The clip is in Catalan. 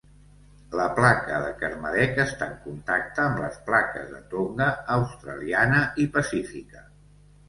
La placa de Kermadec està en contacte amb les plaques de Tonga, australiana i pacífica.